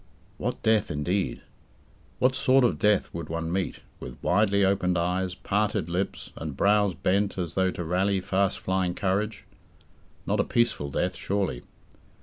What death, indeed? What sort of death would one meet with widely opened eyes, parted lips, and brows bent as though to rally fast flying courage? Not a peaceful death surely.